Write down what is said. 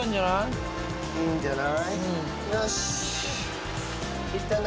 いいんじゃない？